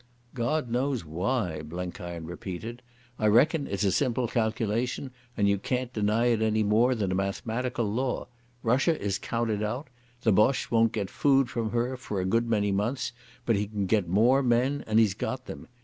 "God knows why," Blenkiron repeated. "I reckon it's a simple calculation, and you can't deny it any more than a mathematical law. Russia is counted out. The Boche won't get food from her for a good many months, but he can get more men, and he's got them.